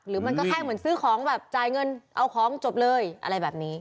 มันก็แค่เหมือนซื้อของแบบจ่ายเงินเอาของจบเลยอะไรแบบนี้